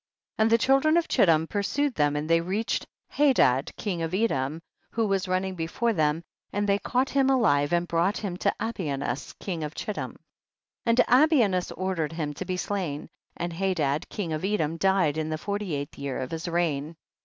5. And the children of Chittim pursued them and they reached Ha dad king of Edom, who was running before them, and they caught him alive, and brought him to Abianus king of Chittim. 6. And Abianus ordered him to be slain, and Hadad king of Edom died in the forty eighth year of his reign.